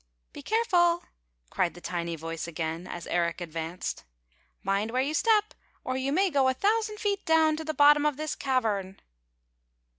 "Be careful," cried the tiny voice again, as Eric advanced. " Mind where you step, or you may go a thousand feet down to the bottom of this cavern."